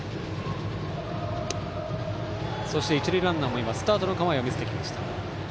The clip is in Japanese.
一塁ランナーもスタートの構えを見せています。